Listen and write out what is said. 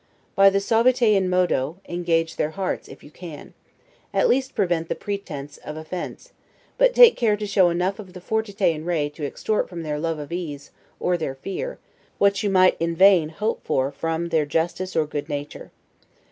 By the 'suaviter in modo' engage their hearts, if you can; at least prevent the pretense of offense but take care to show enough of the 'fortiter in re' to extort from their love of ease, or their fear, what you might in vain hope for from their justice or good nature.